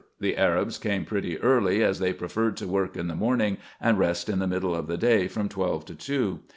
The Arabs came pretty early, as they preferred to work in the morning, and rest in the middle of the day from twelve to two.